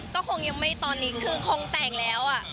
ก็คงยังไม่ตอนนี้คือคงแต่งแล้ว